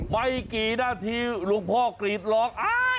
ไม่กี่นาทีหลวงพ่อกรีดร้อง